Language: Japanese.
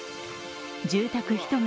住宅１棟